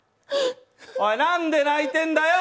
おい、なんで泣いてんだよ！